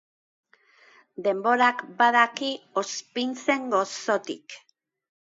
Denborak badaki ozpintzen gozotik.